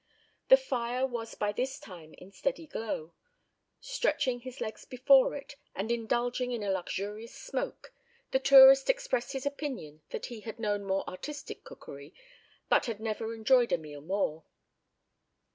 The fire was by this time in steady glow. Stretching his legs before it, and indulging in a luxurious smoke, the tourist expressed his opinion that he had known more artistic cookery, but had never enjoyed a meal more.